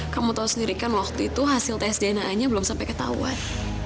kamu tahu sendiri kan waktu itu hasil tes dna nya belum sampai ketahuan